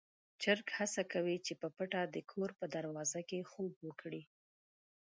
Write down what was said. چرګ هڅه کوي چې په پټه د کور په دروازه کې خوب وکړي.